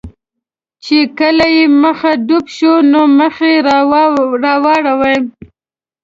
چې کله یې مخه ډب شوه، نو مخ یې را واړاوه.